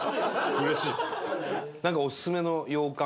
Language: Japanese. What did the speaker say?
うれしいですか？